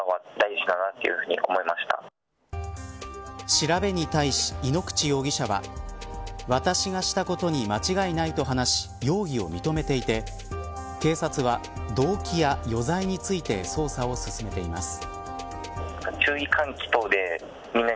調べに対し、井ノ口容疑者は私がしたことに間違いないと話し容疑を認めていて警察は動機や余罪について捜査を進めています。